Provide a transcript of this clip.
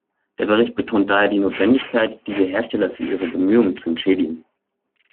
Der Bericht betont daher die Notwendigkeit, diese Hersteller für ihre Bemühungen zu entschädigen.